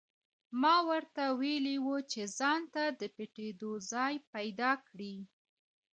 ما ورته ویلي وو چې ځانته د پټېدو ځای پیدا کړي